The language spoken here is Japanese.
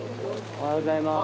おはようございます。